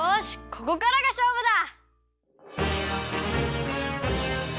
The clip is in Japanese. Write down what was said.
ここからがしょうぶだ！